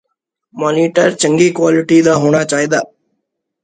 monitor ਚੰਗੀ quality ਦਾ ਹੋਣਾ ਚਾਹੀਦੈ